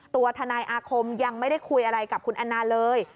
ตัวทนายอาคมยังไม่ได้คุยอะไรกับคุณแอนนาเลย